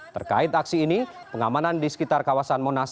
terkait aksi ini pengamanan di sekitar kawasan monas